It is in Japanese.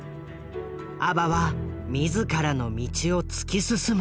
ＡＢＢＡは自らの道を突き進む。